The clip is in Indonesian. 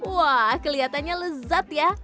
wah kelihatannya lezat ya